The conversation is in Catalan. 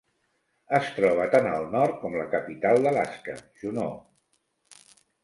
Es troba tan al nord com la capital d'Alaska, Juneau.